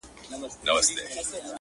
زما په لاس كي هتكړۍ داخو دلې ويـنـمـه ـ